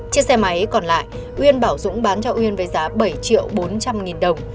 chiếc xe máy còn lại uyên bảo dũng bán cho uyên với giá bảy triệu bốn trăm linh nghìn đồng